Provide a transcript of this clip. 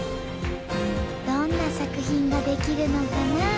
どんな作品が出来るのかな？